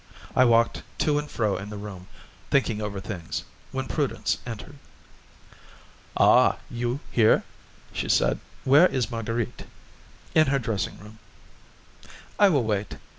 I walked to and fro in the room, thinking over things, when Prudence entered. "Ah, you here?"' she said, "where is Marguerite?" "In her dressing room." "I will wait.